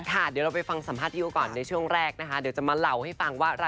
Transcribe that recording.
เดี๋ยวเราไปฟังสัมภาษณ์พี่โอก่อนในช่วงแรกนะคะเดี๋ยวจะมาเล่าให้ฟังว่า